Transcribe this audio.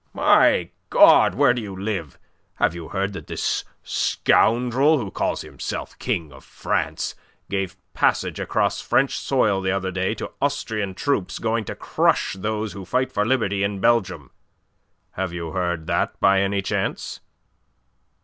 My God, where do you live? Have you heard that this scoundrel who calls himself King of France gave passage across French soil the other day to Austrian troops going to crush those who fight for liberty in Belgium? Have you heard that, by any chance?"